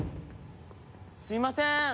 すいません！